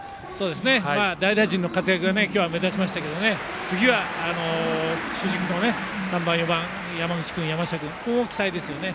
代打陣の活躍が今日は目立ちましたが次は主軸の３番、４番山口、山下君に期待ですよね。